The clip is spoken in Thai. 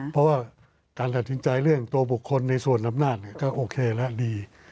เพราะว่าการตัดสินใจเรื่องตัวบุคคลในส่วนอำนาจก็โอเคแล้วดี